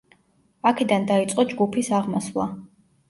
აქედან დაიწყო ჯგუფის აღმასვლა.